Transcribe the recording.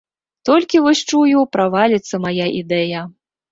Толькі вось, чую, праваліцца мая ідэя.